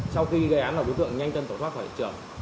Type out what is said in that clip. sau khi gây án là đối tượng nhanh chân tổ thoát phải trở